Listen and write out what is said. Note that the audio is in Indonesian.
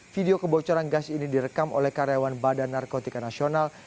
video kebocoran gas ini direkam oleh karyawan badan narkotika nasional